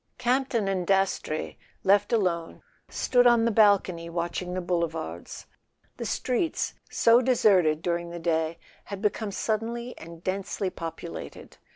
A SON AT THE FRONT Campton and Dastrey, left alone, stood on the bal¬ cony watching the Boulevards. The streets, so deserted during the day, had become suddenly and densely populated.